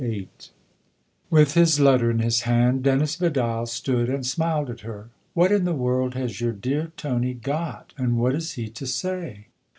VIII WITH his letter in his hand Dennis Vidal stood and smiled at her. " What in the world has your dear Tony ' got/ and what is he to say